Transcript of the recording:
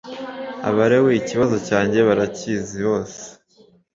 Abalewi ikibazo cyanjye barakizimbose